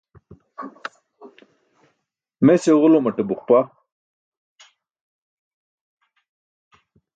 Mes iġulumaṭe buqpa.